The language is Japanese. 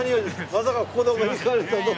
まさかここでお目にかかれるとは。